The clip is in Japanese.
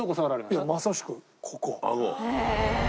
いやまさしくここ。